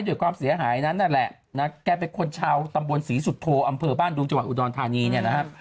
ด้วยความเสียหายนั้นนั่นแหละนะแกเป็นคนชาวตำบลศรีสุโธอำเภอบ้านดุงจังหวัดอุดรธานีเนี่ยนะครับ